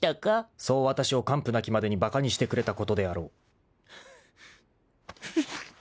そうわたしを完膚なきまでにバカにしてくれたことであろう］